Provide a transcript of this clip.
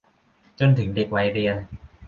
จนถึงเด็กวัยเรียน